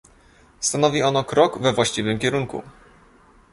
Stanowi ono krok we właściwym kierunku